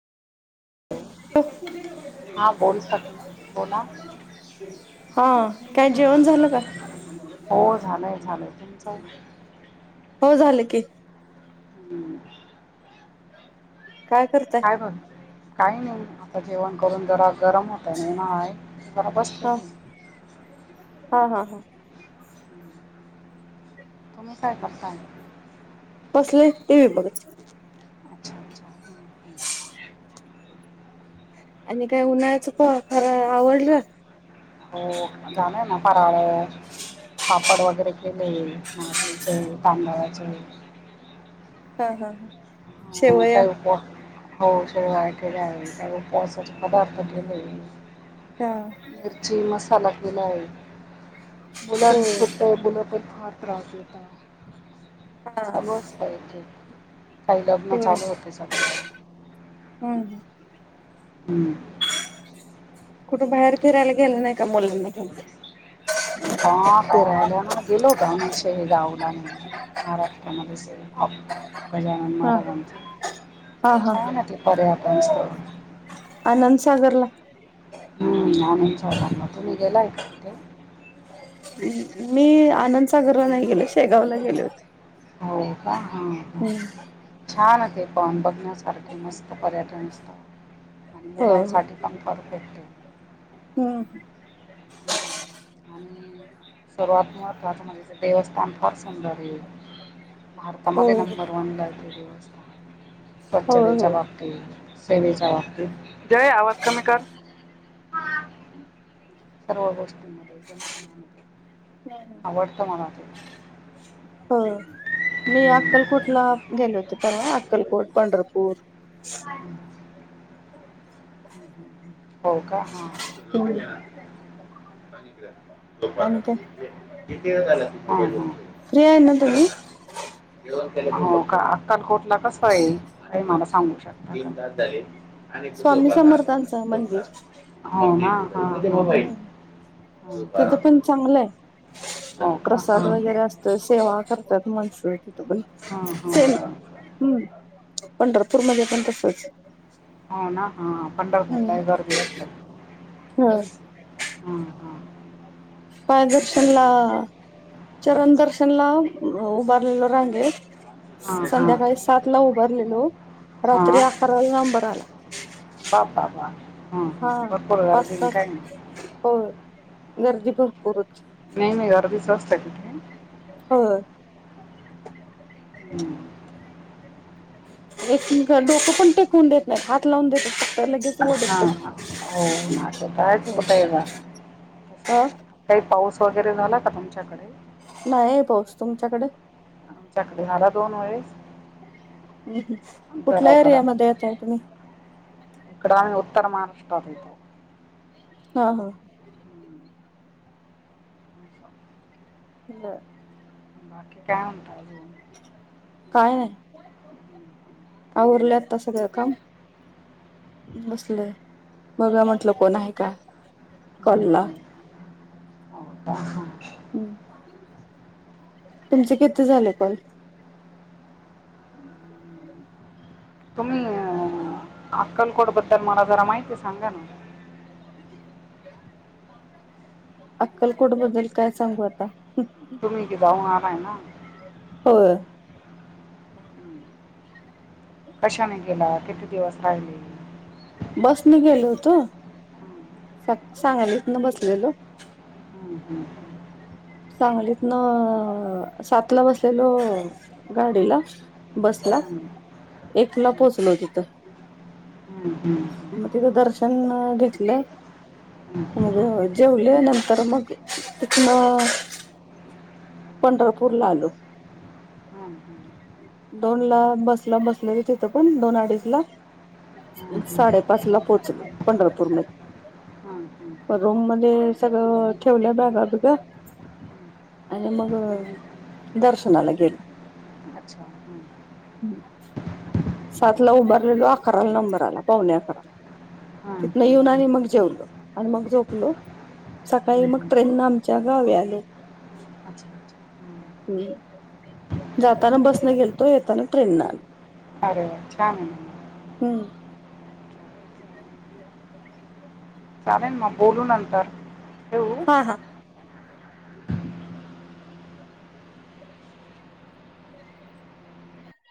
हा बोल सखी बोला हा काय जेवण झालं का? झालं हो झालं की हम्म काय करताय? काय बघ काही नाही आता जेवण करून जरा गरम होतय नी माय जरा बसते हा की हा हा हा. तुम्ही सैपाक काय बसले टीवी बघत अच्छा अच्छा हम्म, आणि काय उन्हाळ्याचं फराळ आवरल? हो जानार ना पारावर पापड वगैरे केले नागलीचे, तांदळाचे. हा हा हा हा शेवया काही उपवा हो शेवया केल्या आहेत काही उपवासाचे पदार्थ केलेत हा मिरची मसाला केला आहे हो मुलांना सुट्या आहेत मुलं पण खात त्रास देता हा चालू असतय की? ना होय चालू होते सद्या हम्म हम्म कुठे बाहेर फिरायला गेलं नाही का मुलांना घेऊन? हा फिरायला ना गेलो होतो ना आम्ही सगळे हे गावला म्हणून महाराष्ट्रामध्येच ये गजानन हा महाराजांचे छान आहे ते नमस्कार. आनंदसागर ला हम्म आनंद सागर तुम्ही गेलाय का तिथे? मी आनंदसागरला नाही गेल शेगावला गेले होते. हो का हा. हम्म छान आहे ते पाम बघण्या सारखे मस्त पर्यटन स्थळ आणि हो हो मुलांसाठी पण परफेक्ट य हम्म [unintelligible] देव स्थान फार सौंदर्य हो भारतामध्ये नंबर वन ला य ते देवस्थान हो स्वच्छतेच्या हो बाबतीत [unintelligible] बाबतीत जय आवाज कमी कर सर्व गोष्टींमध्ये एकदम छान हो. आवडतं मला तो हो मी अक्कलकोट ला गेले होते पर हा अकलकोट पंढपूर [inaudible] हो का हा [inaudible] हम्म आणि काय फ्री आहे ना तुम्ही हा हा हा का अक्कलकोट ला कस ये हे मला सा थांबू शकता का? आणि कुझो बाजार थांचा मंदिर हां. हम्म, हां, तिथं हां. पण चांगलं आहे. हो का प्रसाद हां वगैरे हां असतोय सेवा कर त्यात मनसोळकी हां चल हां हम्म पंढर पूर मध्ये पण तसचं. हो ना. हां पंढरपूरलाही गर्दी असते, ह हा हा. पायदर्शनला आ चरण दर्शन ला उभारलेलो रांगेत. हां हां संध्याकाळी सातला उभारलेलो रात्री अकराला नंबर आला. बाप्पा बा. हा हा पर पुढं जरा पाच दिन तास काय मा होय गर्दी भरपूर आहेत. नाही मी अर्धी स्वस्. [unintelligible] हो [inaudible] एक मिनिटं डोकं पण टेकवून देत नाही, हात लावून देतात लगेच हां ओढतात. ना हो ना आता कायच कुटाय बगा अ काय पाऊस वगैरे झाला का तुमच्याकडे? नाहीये पाऊस तुमच्याकडे? आमच्याकडे हाला दोन वेळेस. कुठल्या जरा जरा एरियामध्ये येताय तुम्ही? इकडं आम्ही उत्तर महाराष्ट्रात येतो. हां हां हम्म. बरं बाकी काय म आवरलय आत्ता सगळं काम, बसलोय बघा म्हंटल कोण आहे का? कॉलला होय का हा. हं तुमचे किती झाले कॉल? तुम्ही अ अक्कलकोट बद्दल मला जरा माहिती सांगा ना! अक्कलकोट बद्दल काय सांगू आता. तुम्ही इथे जाऊन आलायना? होय. कशाने गेला? किती दिवस राहिले? बसने गेलो असं. होतो. सांग सांगालीतन बसलेलो. हं हं. सांगलीतन अ सातला बसलेलो गाडीला, बसला. हम्म, हम्म, एकला पोचलो तिथं. हम्म, हम्म, हम्म, हम्म, मग तिथं दर्शन अ घेतलं, हम्म, मग अ जेवले नंतर मग तिथन पंढरपूरला आलो. दोनला बसला बसलेलो तिथं पण दोन अडीचला, हम्म, हम्म, साडेपाचला पोहोचलो पंढरपूर हम्म, हम्म, हम्म. मधे. रूम मध्ये सगळं ठेवलं बॅगा बिगा आणि मग दर्शनाला गेलो. अच्छा हम्म, सातला उभारलेलो अकराला नंबर आला पावणे अकरा हम्म, तिथन हम्म, येऊन आणि मग जेवलो, आणि मग झोपलो सकाळी हम्म, मग हम्म. ट्रेन न आमच्या गावी आलो. अच्छा अच्छा हम्म. हम्म. हम्म जाताना बसन गेलतो येताना ट्रेन न आलो. अरे वा छान हम्म. चालेलम बोलू नंतर. ठेवू हा हा